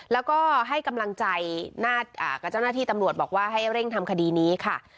แล้วก็ให้กำลังใจกับเจ้าหน้าที่ตำรวจบอกว่าให้เร่งทำคดีนี้ค่ะ